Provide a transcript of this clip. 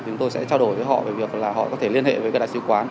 chúng tôi sẽ trao đổi với họ về việc là họ có thể liên hệ với các đại sứ quán